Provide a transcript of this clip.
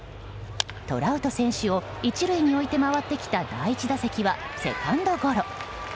トラウト選手を１塁に置いて回ってきた第１打席はセカンドゴロ。